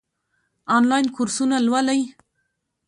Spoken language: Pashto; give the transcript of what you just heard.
آنلاین کورسونه لولئ؟